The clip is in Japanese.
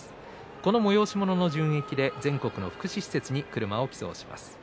この催し物の純益で全国の福祉施設に車を寄贈します。